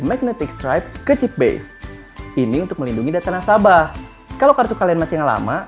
magnetic strike ke chipbase ini untuk melindungi data nasabah kalau kartu kalian masih yang lama